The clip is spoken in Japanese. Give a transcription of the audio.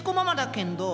けんど